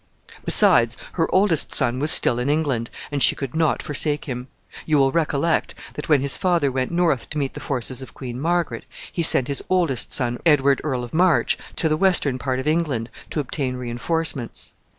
Besides, her oldest son was still in England, and she could not forsake him. You will recollect that, when his father went north to meet the forces of Queen Margaret, he sent his oldest son, Edward, Earl of Marche, to the western part of England, to obtain re enforcements.